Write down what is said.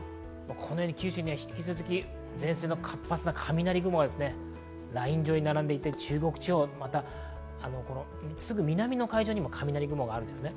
九州には引き続き、前線の活発な雷雲がライン上に並んでいて中国地方、また、すぐ南の海上にも雷雲があります。